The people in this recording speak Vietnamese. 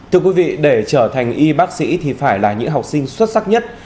thưa quý vị để trở thành y bác sĩ thì phải là những học sinh xuất sắc nhất